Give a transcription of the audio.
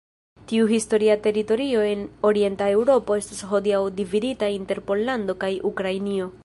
Tiu historia teritorio en Orienta Eŭropo estas hodiaŭ dividita inter Pollando kaj Ukrainio.